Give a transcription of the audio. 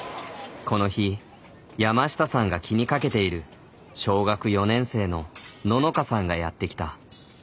この日山下さんが気にかけている小学４年生のののかさんがやって来た。